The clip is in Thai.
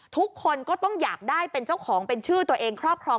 ทุกคนก็ต้องอยากได้เป็นเจ้าของเป็นชื่อตัวเองครอบครอง